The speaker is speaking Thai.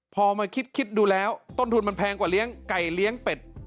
พอมาคิดดูแล้วต้นทุนมันแพงกว่าเลี้ยงไก่เลี้ยงเป็ด